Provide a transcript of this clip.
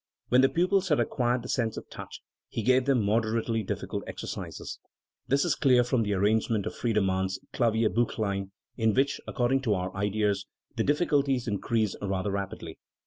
When the pupils had acquired the sense of touch, he gave them moderately difficult exercises. This is clear from the arrangement of Friedemann's Klavierbuchlein, in which, according to our ideas, the difficulties increase rather rapidly.